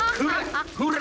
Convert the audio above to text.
ほら！